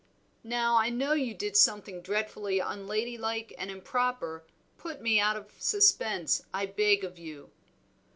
"Now I know you did something dreadfully unladylike and improper. Put me out of suspense, I beg of you."